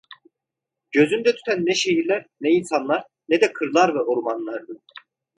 Gözümde tüten ne şehirler, ne insanlar, ne de kırlar ve ormanlardı.